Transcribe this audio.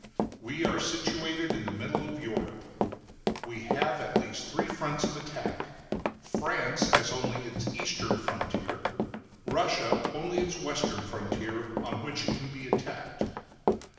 We are situated in the middle of Europe. We have at least three fronts of attack. France has only its eastern frontier, Russia only its western frontier, on which it can be attacked.